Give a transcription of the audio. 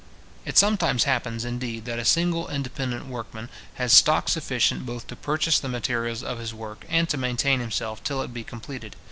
It sometimes happens, indeed, that a single independent workman has stock sufficient both to purchase the materials of his work, and to maintain himself till it be completed.